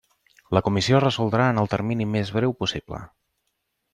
La Comissió resoldrà en el termini més breu possible.